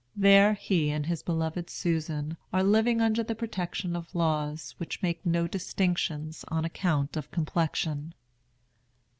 There he and his beloved Susan are living under the protection of laws which make no distinctions on account of complexion.